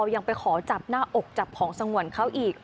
ยังไปขอจับหน้าอกจับของสงวนเขาอีก